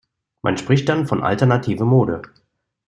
Man spricht dann vom "Alternative Mode".